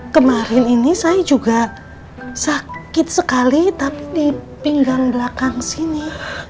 kemarin ini saya juga sakit sekali tapi di pinggang belakang sini